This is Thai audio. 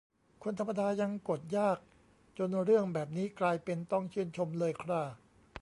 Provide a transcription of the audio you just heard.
คนธรรมดายังกดยาก จนเรื่องแบบนี้กลายเป็นต้องชื่นชมเลยคร่า